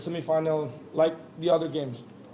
pertandingan demi pertandingan